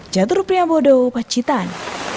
jatuh pria bodoh pacitan